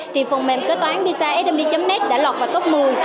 thì phần mềm kế toán misafmi net đã lọt vào top một mươi